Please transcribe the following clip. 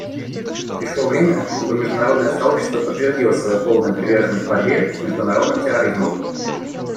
Пришло время, чтобы международное сообщество подтвердило свою полную приверженность борьбе с международным терроризмом.